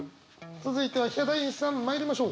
続いてはヒャダインさんまいりましょう。